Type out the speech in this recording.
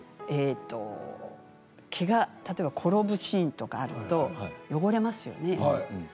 けが例えば転ぶシーンとかあると、汚れますよね。